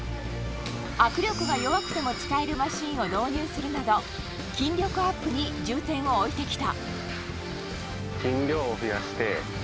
握力が弱くても使えるマシーンを導入するなど筋力アップに重点を置いてきた。